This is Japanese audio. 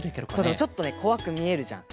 そうでもちょっとねこわくみえるじゃん。